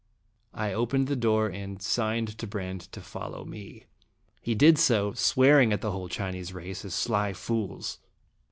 I opened the door, and signed to Brande to follow me. He did so, swearing at the whole Chinese race as sly fools.